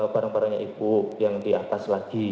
barang barangnya ibu yang di atas lagi